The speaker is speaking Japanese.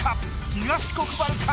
東国原か？